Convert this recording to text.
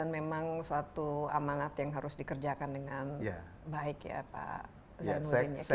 memang suatu amanat yang harus dikerjakan dengan baik ya pak zainuddin